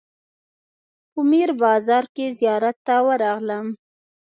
په میر بازار کې زیارت ته ورغلم.